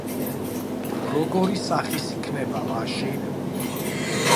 როგორი სახის იქნება მაშინ?